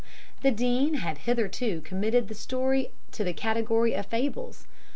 The Dean had hitherto committed the story to the category of fables.